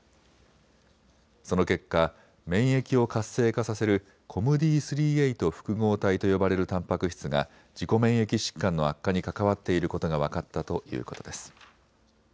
その結果、免疫を活性化させるＣＯＭＭＤ３／８複合体と呼ばれるたんぱく質が自己免疫疾患の悪化に関わっていることが分かったということです。